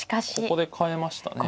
ここで変えましたね。